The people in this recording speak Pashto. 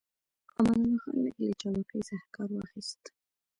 امان الله خان لږ له چابکۍ څخه کار واخيست.